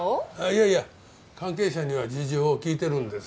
いやいや関係者には事情を聞いてるんです。